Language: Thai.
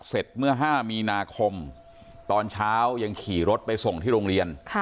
เมื่อ๕มีนาคมตอนเช้ายังขี่รถไปส่งที่โรงเรียน